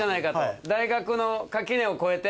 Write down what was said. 大学の垣根を越えて？